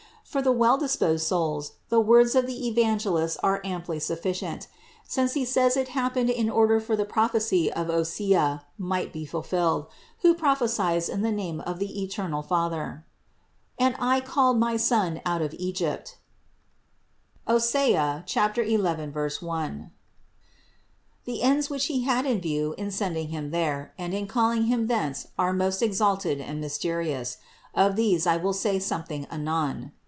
For the well disposed souls the words of the Evangelist are amply sufficient: since he says it happened in order that the prophecy of Osea might be fulfilled, who prophesies in the name of the eternal Father: "And I called my Son out of Egypt" (Osee 11, 1). The ends which He had in view in send ing Him there and in calling Him thence are most ex alted and mysterious : of these I will say something anon.